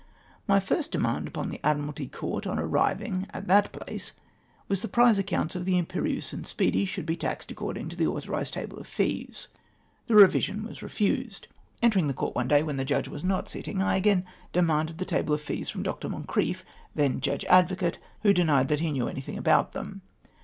My first demand upon tlie Admiralty Court on ar riving at that place was, that the prize accounts of the Imperieiise and Speedy should be taxed according to the authorised table of fees. This revision was refused. Entering the Court one day when the Judge was not sittmg, I again demanded the table of fees from Dr. MoncriefF, then Judge Advocate, who denied that he knew anything about them.